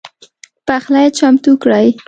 پخلی چمتو کړئ